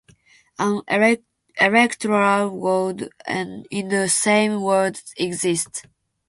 An electoral ward in the same ward exists.